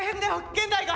現代が。